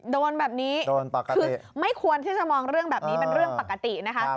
โดนแบบนี้คือที่จะมองแบบนี้เป็นเรื่องปกตินะคะ